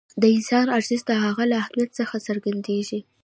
د انسان ارزښت د هغه له اهمیت څخه څرګندېږي.